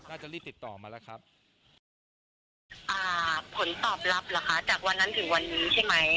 อ่าผลตอบรับเหรอคะจากวันนั้นถึงวันนี้ใช่ไหม